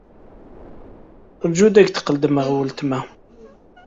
Ṛju ad ak-d-qeddmeɣ weltma.